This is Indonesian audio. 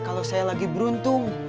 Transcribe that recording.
kalau saya lagi beruntung